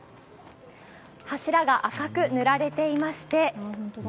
柱が赤く塗られていま本当だ。